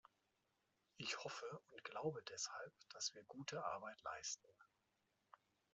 Ich hoffe und glaube deshalb, dass wir gute Arbeit leisten.